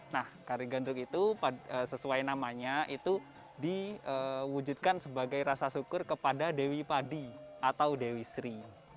nah kari gantung itu sesuai namanya itu diwujudkan sebagai rasa syukur kepada dewi padi atau dewi sri